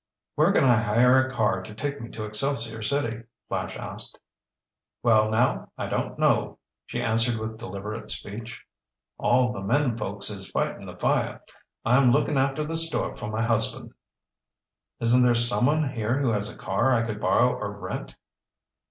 "Where can I hire a car to take me to Excelsior City?" Flash asked. "Well, now, I don't know," she answered with deliberate speech. "All the men folks is fightin' the fire. I'm lookin' after the store for my husband." "Isn't there someone here who has a car I could borrow or rent?"